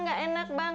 nggak enak bang